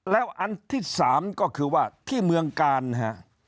แล้วอันที่๓ก็คือว่าที่เมืองกาลฮะ